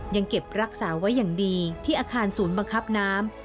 ยังเก็บรักษาไว้อย่างดีที่อาคารศูนย์บังคับน้ำ